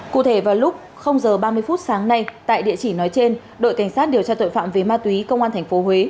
cụ thể vào lúc h ba mươi phút sáng nay tại địa chỉ nói trên đội cảnh sát điều tra tội phạm về ma túy công an tp huế